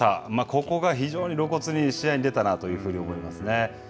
ここが非常に露骨に試合に出たなと思いますね。